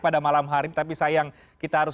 pada malam hari ini tapi sayang kita harus